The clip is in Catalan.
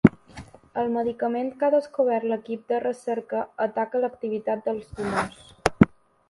El medicament que ha descobert l’equip de recerca ataca l’activitat dels tumors.